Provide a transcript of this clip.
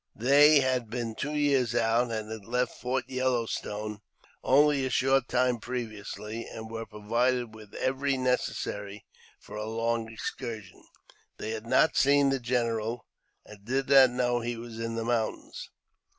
They had been two years out ; had left Fort Yellow Ston& only a short time previously, and were provided with every necesary for a long excursion. They had not seen the general, and did not know he was in the mountains.